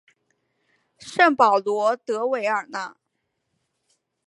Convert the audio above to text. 圣保罗德韦尔讷。